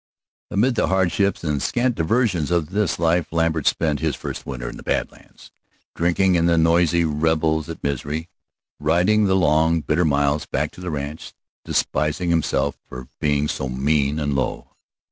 Amid the hardships and scant diversions of this life, Lambert spent his first winter in the Bad Lands, drinking in the noisy revels at Misery, riding the long, bitter miles back to the ranch, despising himself for being so mean and low.